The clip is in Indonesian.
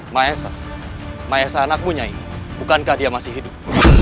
mahesa mahesa anakmu nyai bukankah dia masih hidup